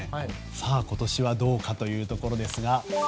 さあ、今年はどうかというところですが。